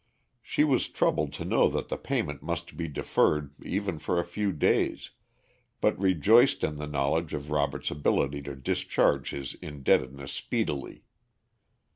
She was troubled to know that the payment must be deferred even for a few days, but rejoiced in the knowledge of Robert's ability to discharge his indebtedness speedily.